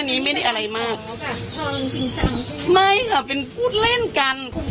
คุณจิ๊ที่เป็นเลขาทำไมซึ่งฮะ